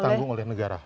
ditanggung oleh negara